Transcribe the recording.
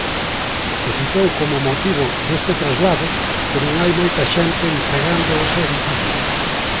El citou como motivo deste traslado que non hai moita xente empregando ese edificio.